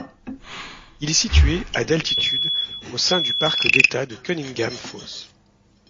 Il est situé à d'altitude au sein du parc d'État de Cunningham Falls.